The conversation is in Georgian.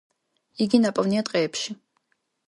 იგი ნაპოვნია ტყეებში.